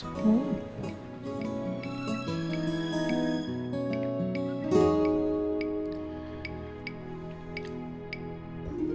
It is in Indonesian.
aku mau makan